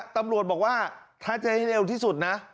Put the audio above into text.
ตำรวจบอกว่าถ้าจะให้เร็วที่สุดนะ